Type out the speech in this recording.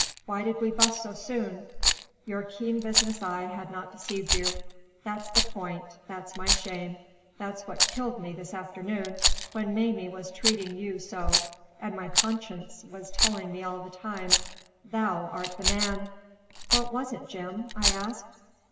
Why did we bust so soon? Your keen business eye had not deceived you. That's the point, that's my shame; that's what killed me this afternoon when Mamie was treating you so, and my conscience was telling me all the time, Thou art the man." "What was it, Jim?" I asked.